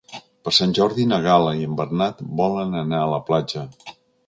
Per Sant Jordi na Gal·la i en Bernat volen anar a la platja.